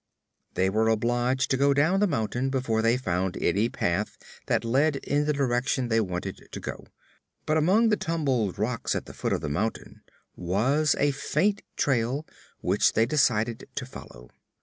They were obliged to go down the mountain before they found any path that led in the direction they wanted to go, but among the tumbled rocks at the foot of the mountain was a faint trail which they decided to follow.